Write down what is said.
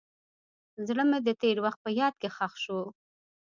زړه مې د تېر وخت په یاد کې ښخ شو.